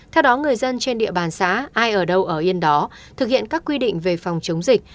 theo đó người dân trên địa bàn xã ai ở đâu ở yên đó thực hiện các quy định về phòng chống dịch